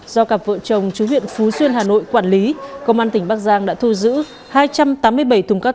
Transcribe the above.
do cặp vợ chồng chú huyện phú xuyên hà nội quản lý công an tỉnh bắc giang đã thu giữ hai trăm tám mươi bảy thùng cắt